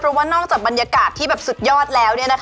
เพราะว่านอกจากบรรยากาศที่แบบสุดยอดแล้ว